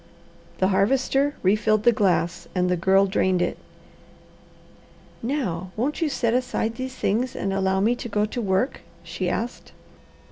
The Harvester refilled the glass and the Girl drained it. "Now won't you set aside these things and allow me to go to work?" she asked.